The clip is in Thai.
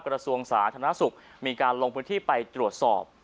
กระทรวงสาธารณสุขมีการลงพื้นที่ไปตรวจสอบ